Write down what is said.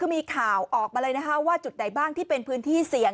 มีข่าวออกมาเลยนะคะว่าจุดไหนบ้างที่เป็นพื้นที่เสี่ยง